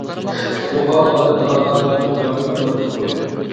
بۇ ھال ئادەتتە ئاتا-ئانىلارنى غەمگە پاتۇرۇپ قويدى.